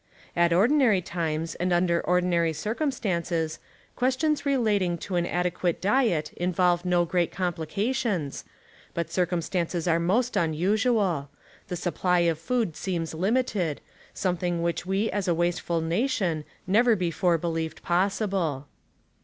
At ordinary times and under ordinary circumstances, questions relating to an ade quate diet involve no great complications, but circumstances are most unusual ; the supply of food seems limited, something which we as a wasteful nation never before believed possible.